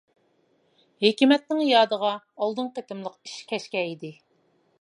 ھېكمەتنىڭ يادىغا ئالدىنقى قېتىملىق ئىش كەچكەن ئىدى.